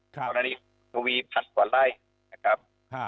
ตอนนี้คุณทวีพันต่อไล่นะครับ